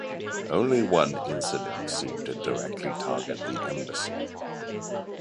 Only one incident seemed to directly target the embassy.